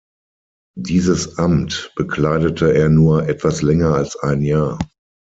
Dieses Amt bekleidete er nur etwas länger als ein Jahr.